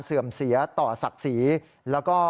เพราะว่ามีทีมนี้ก็ตีความกันไปเยอะเลยนะครับ